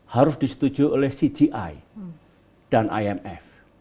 harus disetujui oleh cgi dan imf